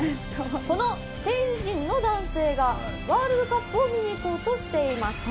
このスペイン人の男性がワールドカップを見に行こうとしています。